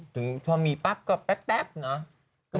ถึงพอมีปั๊บก็แป๊บนะ